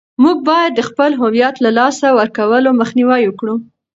موږ باید د خپل هویت له لاسه ورکولو مخنیوی وکړو.